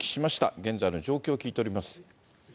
現在の状況を聞いています。